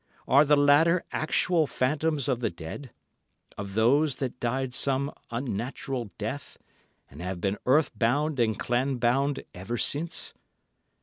Are the latter actual phantoms of the dead; of those that died some unnatural death, and have been earth bound and clan bound ever since?